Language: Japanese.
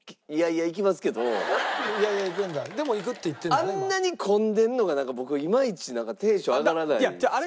あんなに混んでるのがなんか僕はいまいちテンション上がらないんですよ。